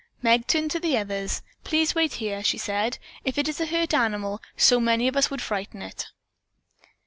Meg turned to the others. "Please wait here," she said. "If it is a hurt animal, so many of us would frighten it."